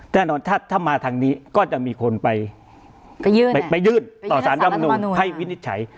แน่นอนถ้ามาทางนี้ก็จะมีคนไปยื่นต่อสารรำนูนให้วินิจฉัย